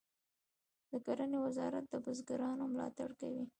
د کرنې وزارت د بزګرانو ملاتړ کوي